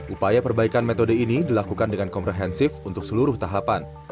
upaya perbaikan metode ini dilakukan dengan komprehensif untuk seluruh tahapan